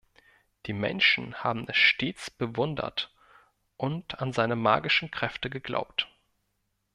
Die Menschen haben es stets bewundert und an seine magischen Kräfte geglaubt.